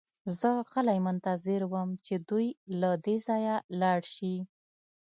زه غلی منتظر وم چې دوی له دې ځایه لاړ شي